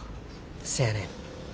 せやねん。